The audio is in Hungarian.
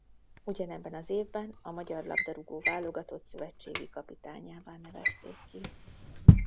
Ugyanebben az évben a magyar labdarúgó-válogatott szövetségi kapitányává nevezték ki.